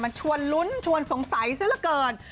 มันชวนลุ้นชวนสงสัยซะละเกิน